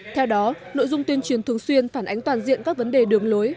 theo đó nội dung tuyên truyền thường xuyên phản ánh toàn diện các vấn đề đường lối